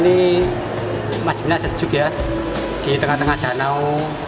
ya di sini masjidnya sejuk ya di tengah tengah danau